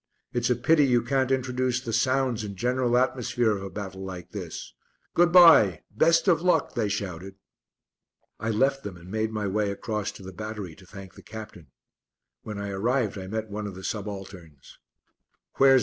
"It's a pity you can't introduce the sounds and general atmosphere of a battle like this. Good bye, best of luck!" they shouted. I left them and made my way across to the battery to thank the Captain. When I arrived I met one of the subalterns. "Where's